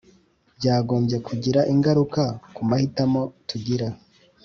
byagombye kugira ingaruka ku mahitamo tugira